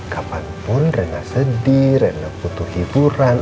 kapanpun rena sedih rena butuh hiburan